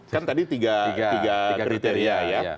kan tadi tiga kriteria ya